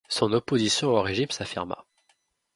Son opposition au régime s'affirma.